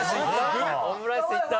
オムライスいった！